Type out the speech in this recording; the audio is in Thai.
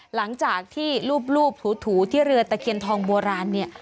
หลังจากที่รูปถูที่เรือตะเคียนทองโบราณเนี่ย